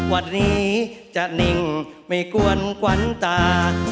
วันนี้จะนิ่งไม่กวนขวัญตา